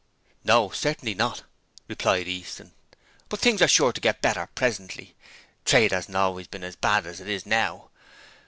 'No; certainly not,' replied Easton; 'but things are sure to get better presently. Trade hasn't always been as bad as it is now.